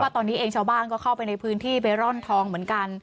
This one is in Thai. ตอนนี้เองชาวบ้านก็เข้าไปในพื้นที่ไปร่อนทองเหมือนกัน